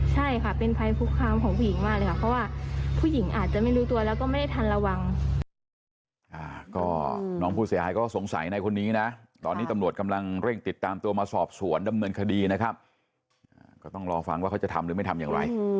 ใช่ค่ะเป็นภัยคุกคามของผู้หญิงมากเลยค่ะเพราะว่าผู้หญิงอาจจะไม่รู้ตัวแล้วก็ไม่ได้ทันระวัง